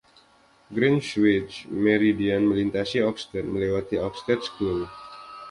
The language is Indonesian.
Greenwich Meridian melintasi Oxted, melewati Oxted School.